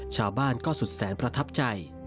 ชาวบ้านก็สุดแสนประทับใจ